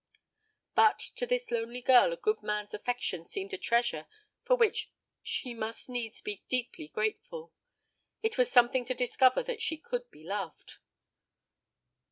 But to this lonely girl a good man's affection seemed a treasure for which she must needs be deeply grateful. It was something to discover that she could be loved.